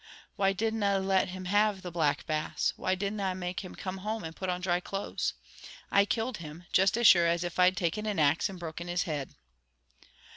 Why didna I let him have the Black Bass? Why didna I make him come home and put on dry clothes? I killed him, juist as sure as if I'd taken an ax and broken his heid."